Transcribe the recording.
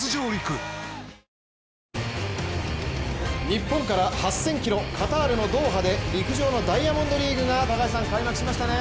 日本から８０００ｋｍ、カタールのドーハで陸上のダイヤモンドリーグが開幕しましたね！